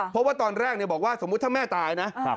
เพราะว่าตอนแรกบอกว่าสมมุติถ้าแม่ตายนะ